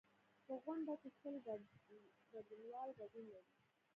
په غونډه کې سل ګډونوال ګډون لري.